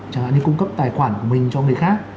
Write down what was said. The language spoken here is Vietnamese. chẳng hạn như cung cấp tài khoản của mình cho người khác